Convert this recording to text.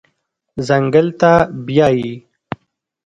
ځنګل ته بیایي